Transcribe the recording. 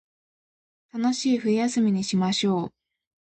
楽しい冬休みにしましょう